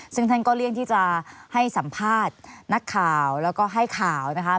ซึ่งท่านก็เลี่ยงที่จะให้สัมภาษณ์นักข่าวแล้วก็ให้ข่าวนะคะ